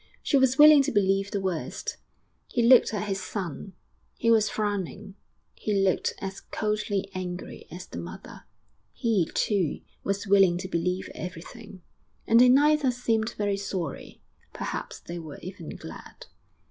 She was willing to believe the worst. He looked at his son; he was frowning; he looked as coldly angry as the mother. He, too, was willing to believe everything, and they neither seemed very sorry.... Perhaps they were even glad.